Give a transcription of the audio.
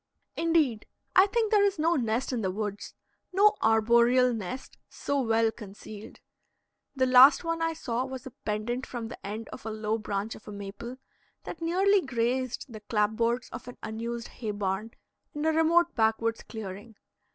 Indeed, I think there is no nest in the woods no arboreal nest so well concealed. The last one I saw was a pendent from the end of a low branch of a maple, that nearly grazed the clapboards of an unused hay barn in a remote backwoods clearing.